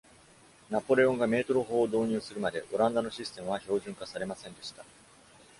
ナポレオンがメートル法を導入するまで、オランダのシステムは標準化されませんでした。